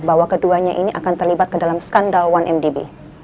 bahwa keduanya ini akan terlibat ke dalam skandal satu mdb